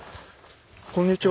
こんにちは。